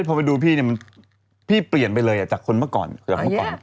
พอไปดูพี่พี่เปลี่ยนไปเลยจากคนเมื่อก่อน